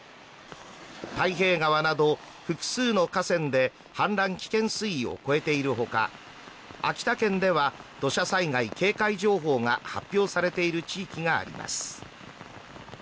太平川など複数の河川で氾濫危険水位を超えている他、秋田県では土砂災害警戒情報が発表されている地域があります。